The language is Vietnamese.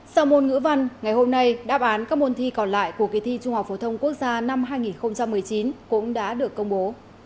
sau môn ngữ văn ngày hôm nay đáp án các môn thi còn lại của kỳ thi trung học phổ thông quốc gia năm hai nghìn một mươi chín cũng đã được công bố